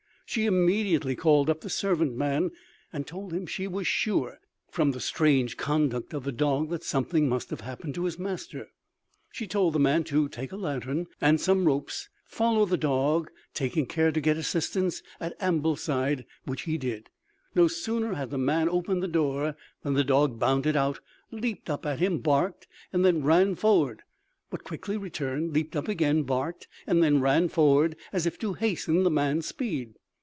She immediately called up the servant man, and told him she was sure, from the strange conduct of the dog, that something must have happened to his master. She told the man to take a lantern and some ropes, and follow the dog, taking care to get assistance at Ambleside; which he did. No sooner had the man opened the door than the dog bounded out, leaped up at him, barked, and then ran forward, but quickly returned, leaped up again, barked, and then ran forward, as if to hasten the man's speed.